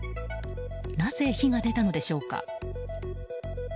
なぜ火が出たのでしょうか。